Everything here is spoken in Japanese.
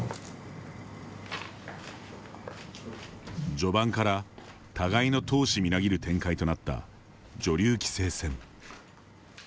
序盤から互いの闘志みなぎる展開となった女流棋聖戦。